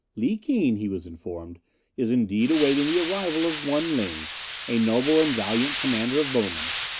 "Li Keen," he was informed, "is indeed awaiting the arrival of one Ling, a noble and valiant Commander of Bowmen.